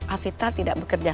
asita tidak bekerja